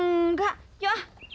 nggak yuk ah